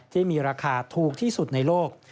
ที่มีราคาถูกที่สุดในโลก